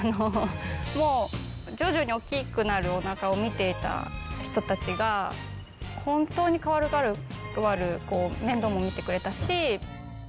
もう、徐々に大きくなるおなかを見ていた人たちが、本当に代わる代わる面倒も見てくれたし。